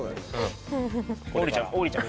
王林ちゃん